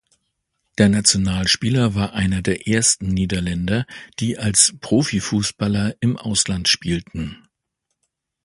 Der Nationalspieler war einer der ersten Niederländer, die als Profifußballer im Ausland spielten.